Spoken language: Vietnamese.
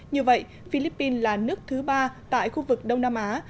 như vậy philippines là nước thứ ba tại khu vực đông nam á